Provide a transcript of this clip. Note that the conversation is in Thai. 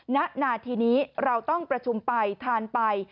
ณนาทีนี้เราต้องประชุมไปทานไป